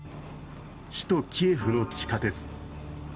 首都キエフの地下鉄。